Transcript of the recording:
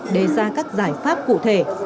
để ra các giải pháp cụ thể